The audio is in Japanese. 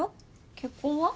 結婚は？